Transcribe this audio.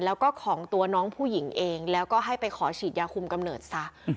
แล้วก็ของตัวน้องผู้หญิงเองแล้วก็ให้ไปขอฉีดยาคุมกำเนิดซะ